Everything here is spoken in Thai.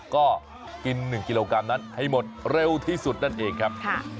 ก็กิน๑กิโลกรัมนั้นให้หมดเร็วที่สุดนั่นเองครับ